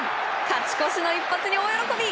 勝ち越しの一発に大喜び。